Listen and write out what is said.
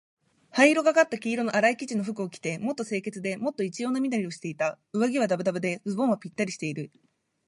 灰色がかった黄色のあらい生地の服を着て、もっと清潔で、もっと一様な身なりをしていた。上衣はだぶだぶで、ズボンはぴったりしている。